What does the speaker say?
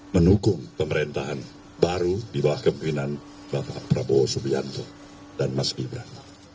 menukung pemerintahan baru di bawah kemungkinan prabowo subianto dan mas gibran